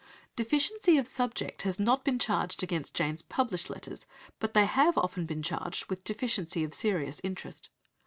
'" Deficiency of subject has not been charged against Jane's published letters, but they have often been charged with deficiency of serious interest.